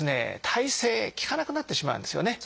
耐性効かなくなってしまうんですよね。